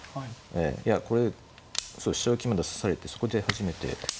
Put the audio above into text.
いやこれそう飛車浮きまで指されてそこで初めて。